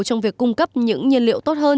trong việc cung cấp những nhiên liệu tốt hơn